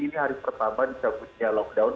ini hari pertama dicabutnya lockdown